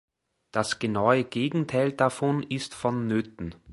Das genaue Gegenteil davon ist vonnöten.